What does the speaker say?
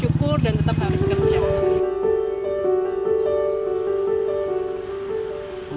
jumio mencari pelayanan untuk mencari pelayanan untuk mencari pelayanan